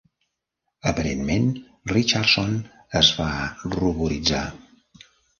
Aparentment, Richardson es va ruboritzar.